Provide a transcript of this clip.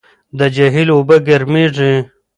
د جهیل اوبه ګرمېږي.